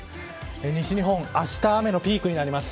西日本は、あした雨のピークになります。